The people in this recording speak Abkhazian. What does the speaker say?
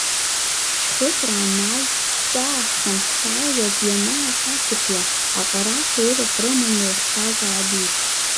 Шьхыҵра анааи, ҳҿааҳхан, ҳшааиуаз ианааҳақәыхәла, аҟарач рырахә рыманы иахьтәаз аабеит.